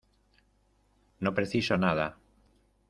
no preciso nada.